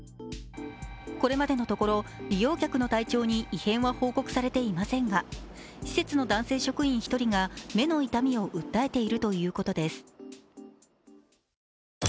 これまでのところ、利用客の体調に異変は報告されていませんが施設の男性職員１人が目の痛みを訴えているということです。